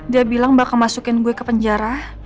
dia bilang bakal masukin gue ke penjara